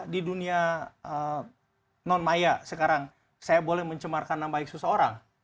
di dunia non maya sekarang saya boleh mencemarkan nama baik seseorang